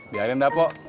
biarin dah pok